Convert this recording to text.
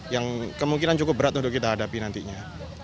yang kemungkinan cukup berat untuk kita hadapi nantinya